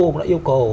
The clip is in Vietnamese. cũng đã yêu cầu